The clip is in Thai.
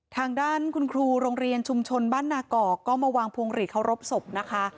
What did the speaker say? ทางด้านคุณครูโรงเรียนชุมชนบ้านนากอกก็มาวางพวงหลีดเคารพศพนะคะ